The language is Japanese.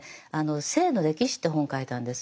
「性の歴史」って本を書いたんです。